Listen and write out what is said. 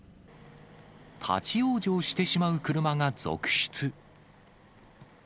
立往生してしまう車が続出。